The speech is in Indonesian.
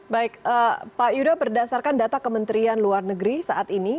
baik pak yuda berdasarkan data kementerian luar negeri saat ini